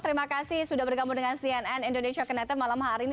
terima kasih sudah bergabung dengan cnn indonesia connected malam hari ini